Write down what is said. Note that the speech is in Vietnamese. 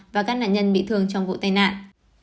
và các nạn nhân bị thương trong vụ tai nạn